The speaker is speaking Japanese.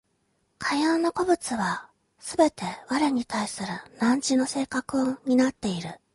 かような個物はすべて我に対する汝の性格を担っている。